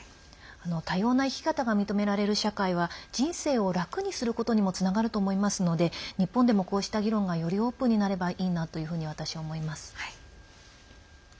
多様な生き方が認められる社会は人生を楽にすることにもつながると思いますので日本でも、こうした議論がよりオープンになればいいなというふうに私は思います。